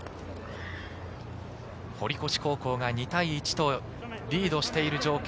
堀越高校が２対１とリードしている状況。